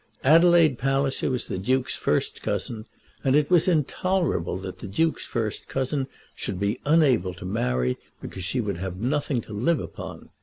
Adelaide Palliser was the Duke's first cousin, and it was intolerable that the Duke's first cousin should be unable to marry because she would have nothing to live upon.